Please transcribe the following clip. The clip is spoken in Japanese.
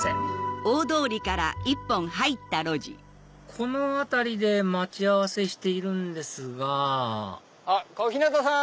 この辺りで待ち合わせしているんですがあっ小日向さん！